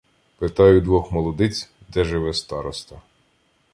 Питаю двох молодиць, де живе староста.